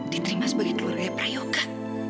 diterima sebagai keluarga prayoga